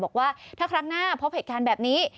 บอกว่าถ้าครั้งหน้าพบเหตุการณ์แบบนี้